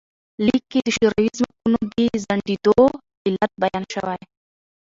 لیک کې د شوروي ځواکونو د ځنډیدو علت بیان شوی.